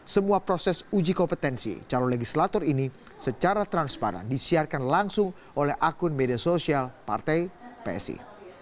semua proses uji kompetensi calon legislator ini secara transparan disiarkan langsung oleh akun media sosial partai psi